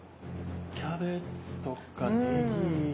キャベツとかネギ。